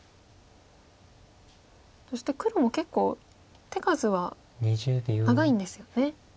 そして黒も結構手数は長いんですよね。